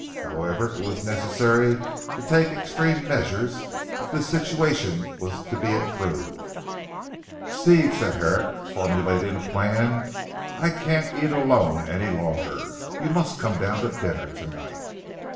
However it was necessary to take extreme measures if the situation was to be improved. "Steve," said Herrick formulating a plan, "I can't eat alone any longer, you must come down to dinner to night."